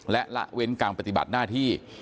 และละเว้นการปฏิบัติหน้าที่